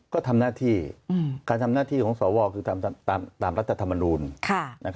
ก็ทำหน้าที่การทำหน้าที่ของสวคือตามรัฐธรรมนูล